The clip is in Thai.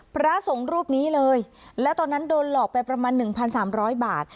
พระสงฆ์รูปนี้เลยแล้วตอนนั้นโดนหลอกไปประมาณหนึ่งพันสามร้อยบาท